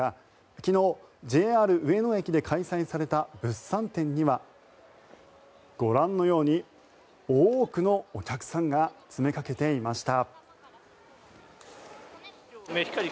昨日、ＪＲ上野駅で開催された物産展にはご覧のように多くのお客さんが詰めかけていました。